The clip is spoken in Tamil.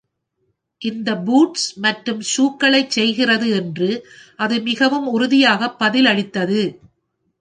‘இது பூட்ஸ் மற்றும் ஷூக்களைச் செய்கிறது’ என்று அது மிகவும் உறுதியாக பதிலளித்தது.